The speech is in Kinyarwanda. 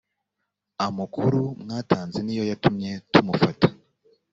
amukuru mwatanze niyo yatumye tumufata